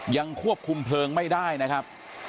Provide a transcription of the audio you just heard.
ยังควบคุมเพลิงไม่ได้นะครับ